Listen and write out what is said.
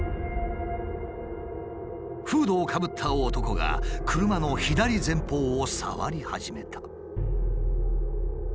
フードをかぶった男が車の左前方を触り始めた。